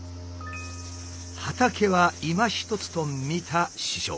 畑はいまひとつとみた師匠。